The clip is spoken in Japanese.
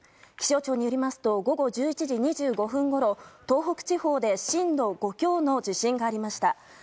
気象庁によりますと午後１１時２５分ごろ東北地方で震度５強の地震がありました。